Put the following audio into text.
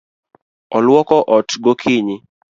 Oluoko ot gokinyi.